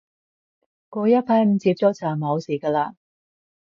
過一排唔接觸就冇事嘅喇